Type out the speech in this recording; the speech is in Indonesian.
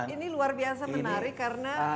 ini luar biasa menarik karena